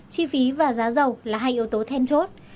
chi phí và giá dầu là hai yếu tố then chốt